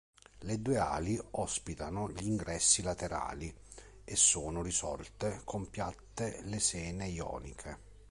Le due ali ospitano gli ingressi laterali e sono risolte con piatte lesene ioniche.